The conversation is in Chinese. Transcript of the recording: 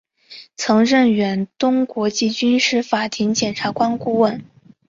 曾任远东国际军事法庭检察官顾问。